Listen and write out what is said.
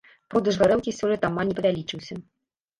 Продаж гарэлкі сёлета амаль не павялічыўся.